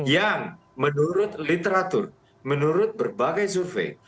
yang menurut literatur menurut berbagai survei